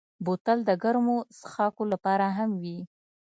بوتل د ګرمو څښاکو لپاره هم وي.